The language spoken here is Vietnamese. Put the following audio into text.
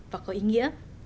và có ý nghĩa